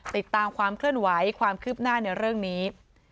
ติดตามความเคลื่อนไหวความคืบหน้าในเรื่องนี้